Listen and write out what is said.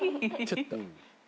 ちょっと。